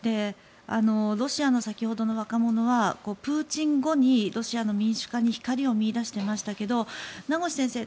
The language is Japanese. ロシアの先ほどの若者はプーチン後にロシアの民主化の光を見いだしていましたが名越先生